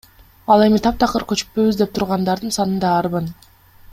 Ал эми таптакыр көчпөйбүз деп тургандардын саны да арбын.